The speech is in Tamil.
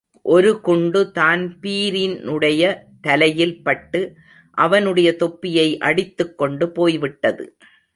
ஒரு குண்டு தான்பீரினுடைய தலையில் பட்டு அவனுடைய தொப்பியை அடித்துக் கொண்டு போய்விட்து.